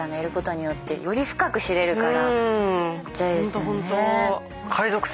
ホントホント。